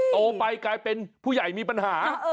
โตไปกลายเป็นผู้ใหญ่มีปัญหา